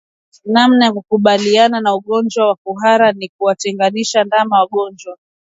Namna ya kukabiliana na ugonjwa wa kuhara ni kuwatenganisha ndama wagonjwa